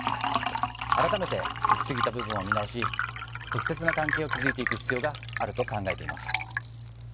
改めて、行き過ぎた部分を見直し適切な関係を築いていく必要があると考えています。